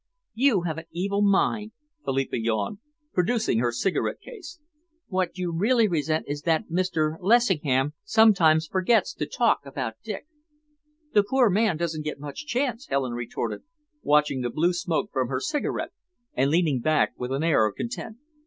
"You have an evil mind," Philippa yawned, producing her cigarette case. "What you really resent is that Mr. Lessingham sometimes forgets to talk about Dick." "The poor man doesn't get much chance," Helen retorted, watching the blue smoke from her cigarette and leaning back with an air of content.